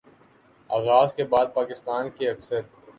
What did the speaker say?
آغاز کے بعد پاکستان کے اکثر